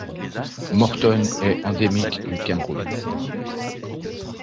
Morton est endémique du Cameroun.